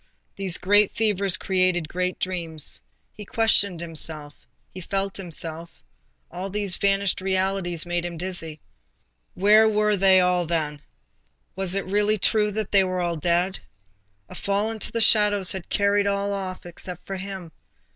These great fevers create great dreams. He questioned himself; he felt himself; all these vanished realities made him dizzy. Where were they all then? was it really true that all were dead? A fall into the shadows had carried off all except himself.